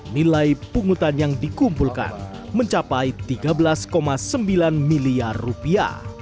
nilai pungutan yang dikumpulkan mencapai tiga belas sembilan miliar rupiah